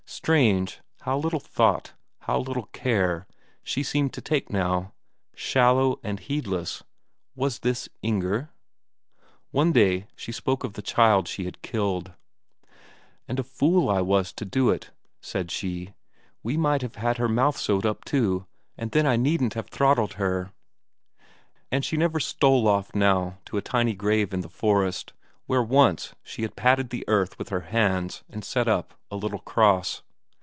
Strange, how little thought, how little care, she seemed to take now; shallow and heedless was this Inger? One day she spoke of the child she had killed. "And a fool I was to do it," she said. "We might have had her mouth sewed up too, and then I needn't have throttled her." And she never stole off now to a tiny grave in the forest, where once she had patted the earth with her hands and set up a little cross.